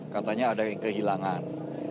katanya ada yang kehilangan